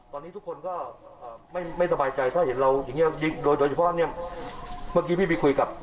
ตอนนี้ทุกคนก็ไม่สบายใจถ้าเห็นเราอย่างนี้โดยเฉพาะเนี่ยเมื่อกี้พี่ไปคุยกับ